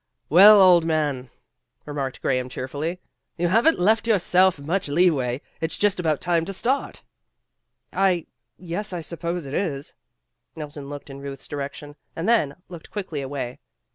''Well, old man," remarked Graham cheer fully, "you haven't left yourself much leeway. It's just about time to start." "I yes, I suppose it is." Nelson looked in Ruth's direction and then looked quickly away.